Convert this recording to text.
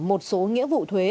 một số nghĩa vụ thuế